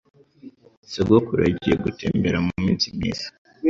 Sogokuru yagiye gutembera muminsi myiza.